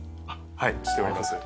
はいしております。